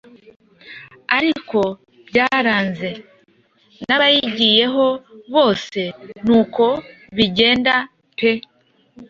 Ariko byaranze nabagiyeho bose nuko bigenda pe